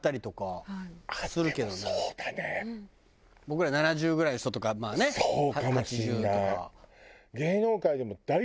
僕ら７０ぐらいの人とかまあね８０とか。